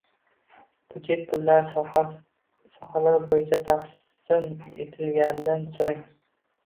Byudjet pullari sohalar bo‘yicha taqsim etilgandan so‘ng